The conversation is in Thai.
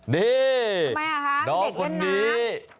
นี่น้อคนนี้มากครับ